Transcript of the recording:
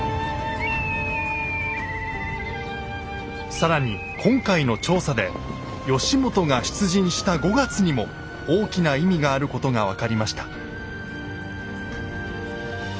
更に今回の調査で義元が出陣した５月にも大きな意味があることが分かりました。